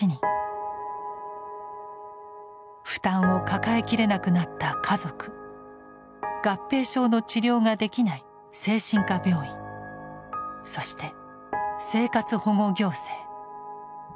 負担を抱えきれなくなった家族合併症の治療ができない精神科病院そして生活保護行政。